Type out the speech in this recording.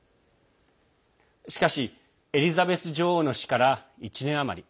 しかしエリザベス女王の死から１年余り。